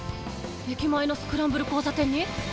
駅前のスクランブル交差点に？